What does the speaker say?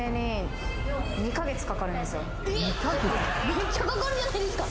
めっちゃかかるじゃないですか。